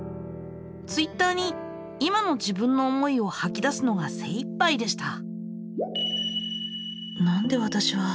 Ｔｗｉｔｔｅｒに今の自分の思いをはき出すのがせいいっぱいでした。